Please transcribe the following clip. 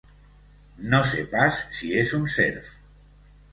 No sé pas si és un serf.